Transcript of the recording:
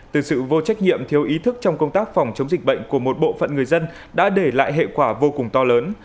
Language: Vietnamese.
từ sự vô trách nhiệm thiếu ý thức trong công tác phòng chống dịch bệnh của một bộ phận người dân đã để lại hệ quả vô cùng to lớn